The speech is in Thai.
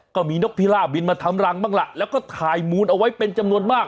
ก็มีนกพิล่าบินมาทำรังบ้างล่ะแล้วก็ถ่ายมูลเอาไว้เป็นจำนวนมาก